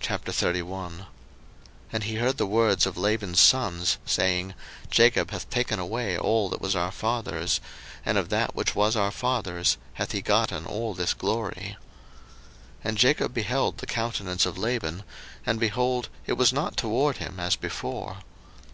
01:031:001 And he heard the words of Laban's sons, saying, Jacob hath taken away all that was our father's; and of that which was our father's hath he gotten all this glory. 01:031:002 And Jacob beheld the countenance of Laban, and, behold, it was not toward him as before.